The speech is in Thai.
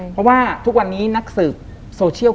เพราะว่าทุกวันนี้นักสืบโซเชียล